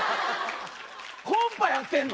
コンパやってんの？